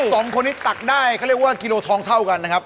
สองคนนี้ตักได้เขาเรียกว่ากิโลทองเท่ากันนะครับ